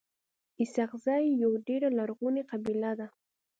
اسحق زی يوه ډيره لرغوني قبیله ده.